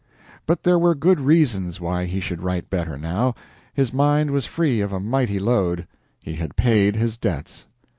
But there were good reasons why he should write better now; his mind was free of a mighty load he had paid his debts!